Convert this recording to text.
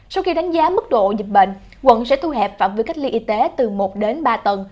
sau khi đánh giá mức độ dịch bệnh quận sẽ thu hẹp phạm vi cách ly y tế từ một đến ba tầng